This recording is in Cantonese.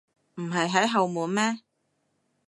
唔係喺後門咩？